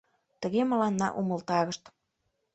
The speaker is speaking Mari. Тыге мыланна умылтарышт.